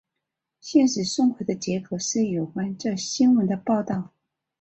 现时送回的结果是有关这新闻的报道。